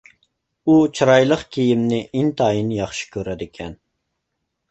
ئۇ چىرايلىق كىيىمنى ئىنتايىن ياخشى كۆرىدىكەن،